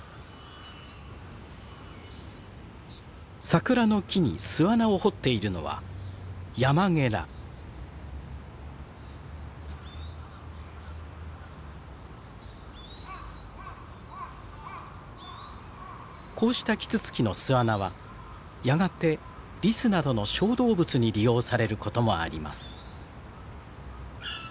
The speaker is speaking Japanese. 桜の木に巣穴を掘っているのはこうしたキツツキの巣穴はやがてリスなどの小動物に利用されることもあります。